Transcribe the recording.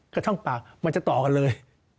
กับช่องปากมันจะต่อกันเลย